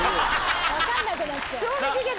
分かんなくなっちゃう。